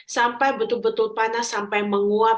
sampai betul betul panas sampai menguap